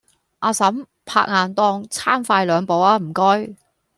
阿嬸，拍硬檔撐快兩步吖唔該